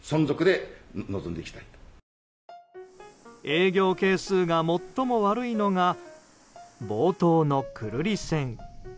営業係数が最も悪いのが冒頭の久留里線。